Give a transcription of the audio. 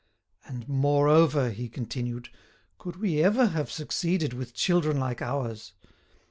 "And, moreover," he continued, "could we ever have succeeded with children like ours?